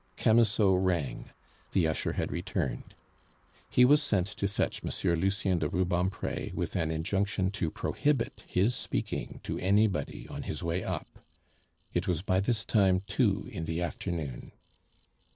Camusot rang. The usher had returned. He was sent to fetch Monsieur Lucien de Rubempre with an injunction to prohibit his speaking to anybody on his way up. It was by this time two in the afternoon.